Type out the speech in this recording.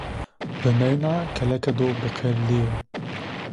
Bineyna keleke do biqeldîyo